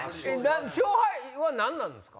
勝敗は何なんですか？